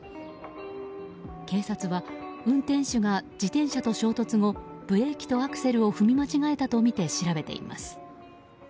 警察は運転手が自転車と衝突後ブレーキとアクセルを踏み間違えたとみて調べています。